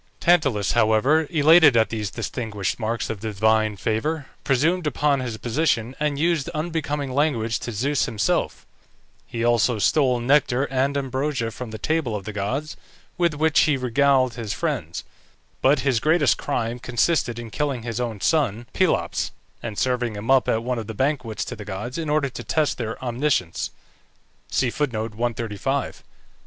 Tantalus, however, elated at these distinguished marks of divine favour, presumed upon his position, and used unbecoming language to Zeus himself; he also stole nectar and ambrosia from the table of the gods, with which he regaled his friends; but his greatest crime consisted in killing his own son, Pelops, and serving him up at one of the banquets to the gods, in order to test their omniscience.